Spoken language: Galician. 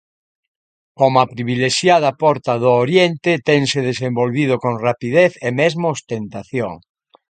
Coma privilexiada porta do Oriente tense desenvolvido con rapidez e mesmo ostentación.